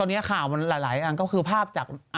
ตอนนี้ข่าวมันหลายอันก็คือภาพจาก